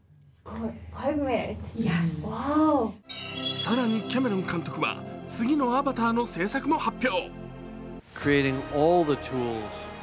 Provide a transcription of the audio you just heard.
更に、キャメロン監督は次の「アバター」の製作も発表。